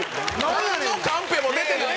なんのカンペも出てない。